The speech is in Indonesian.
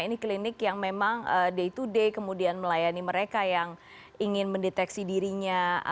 ini klinik yang memang day to day kemudian melayani mereka yang ingin mendeteksi dirinya